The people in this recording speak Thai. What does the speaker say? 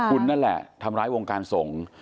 คุณนั่นแหละทำร้ายวงการสงฆ์